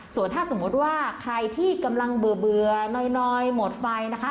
ส่วนถ้าสมมุติว่าใครที่กำลังเบื่อน้อยหมดไฟนะคะ